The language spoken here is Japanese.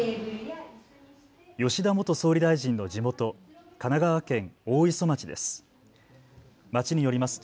吉田元総理大臣の地元神奈川県大磯町です。